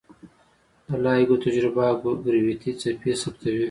د لایګو تجربه ګرویتي څپې ثبتوي.